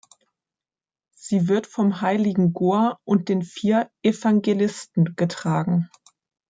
Sie wird vom Heiligen Goar und den vier Evangelisten getragen.